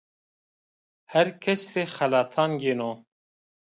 Her kes rê xelatan gêno